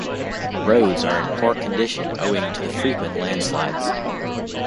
Roads are in poor condition owing to the frequent landslides.